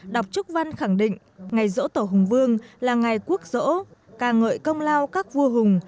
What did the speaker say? đọc chúc văn khẳng định ngày rỗ tổ hùng vương là ngày quốc rỗ càng ngợi công lao các vô hùng